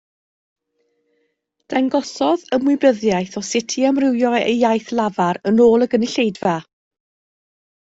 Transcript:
Dangosodd ymwybyddiaeth o sut i amrywio ei iaith lafar yn ôl y gynulleidfa